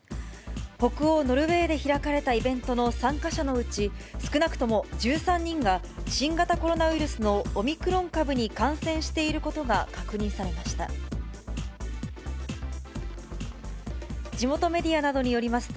北欧ノルウェーで開かれたイベントの参加者のうち、少なくとも１３人が新型コロナウイルスのオミクロン株に感染していることが確認されました。